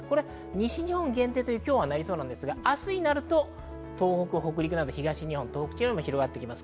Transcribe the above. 西日本限定となりそうですが、明日になると東北、北陸など東日本、東北地方にも広がります。